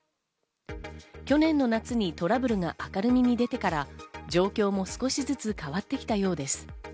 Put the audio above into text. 去年の夏にトラブルが明るみに出てから、状況も少しずつ変わってきたようです。